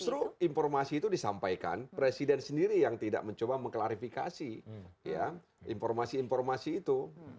justru informasi itu disampaikan presiden sendiri yang tidak mencoba mengklarifikasi informasi informasi itu